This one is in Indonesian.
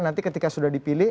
nanti ketika sudah dipilih